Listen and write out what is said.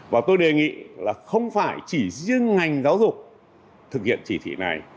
và tôi đề nghị là không phải chỉ riêng ngành giáo dục thực hiện chỉ thị này